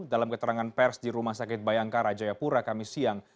dalam keterangan pers di rumah sakit bayangkara jayapura kami siang